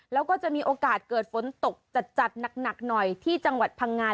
แล้วก็จะมีโอกาสเกิดฝนตกจัดหนักหน่อยที่จังหวัดพังงา